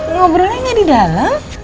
ngobrolnya gak di dalam